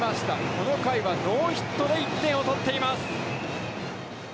この回はノーヒットで１点を取っています。